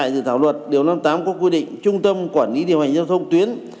dự thảo luận đường bộ quy định một số trung tâm quản lý điều hành giao thông tuyến